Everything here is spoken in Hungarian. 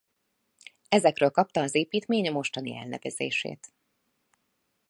Ezekről kapta az építmény a mostani elnevezését.